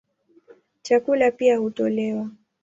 Chakula pia hutolewa.